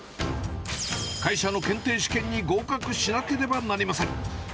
会社の検定試験に合格しなければなりません。